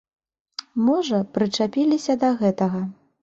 Можа, прычапіліся да гэтага.